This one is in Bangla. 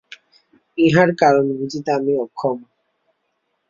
ইহার কারণ বুঝিতে আমি অক্ষম।